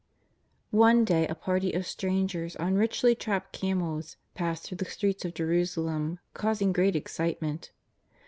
One day a party of strangers on richly trapped camels passed through the streets of Jerusalem causing great excitement.